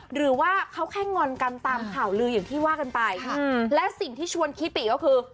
หรือว่าเขาแค่งอนกันตามข่าวลืออย่างที่ว่ากันไปค่ะและสิ่งที่ชวนคิดอีกก็คือ